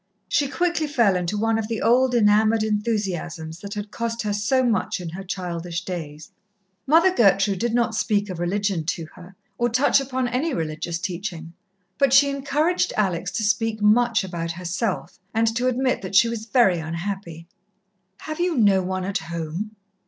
She quickly fell into one of the old, enamoured enthusiasms that had cost her so much in her childish days. Mother Gertrude did not speak of religion to her, or touch upon any religious teaching, but she encouraged Alex to speak much about herself, and to admit that she was very unhappy. "Have you no one at home?"